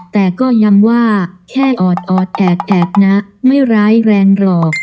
แต่ก็ย้ำว่าแค่ออดแอดนะไม่ร้ายแรงหรอก